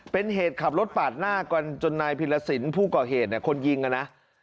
เป็นเหตุขับรถปากหน้ากวดจนไนพิทละสินฯคนก่อเหตุเนี่ย